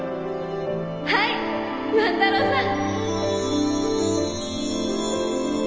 はい万太郎さん！